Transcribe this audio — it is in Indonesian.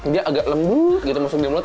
dia agak lembut gitu masuk di mulut